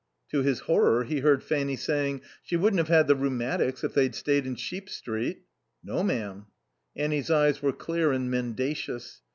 To his horror he heard Fanny saying: "She wouldn't have had the rheumatics if they'd stayed in Sheep Street." "No, ma'am." Annie's eyes were clear and mendacious.